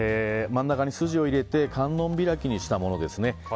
真ん中に筋を入れて観音開きにしたものです。